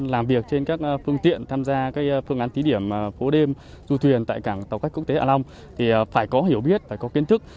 làm việc trên các phương tiện tham gia phương án tí điểm phố đêm du thuyền tại cảng tàu khách quốc tế hạ long thì phải có hiểu biết và có kiến thức